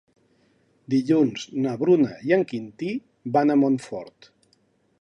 Dilluns na Bruna i en Quintí van a Montfort.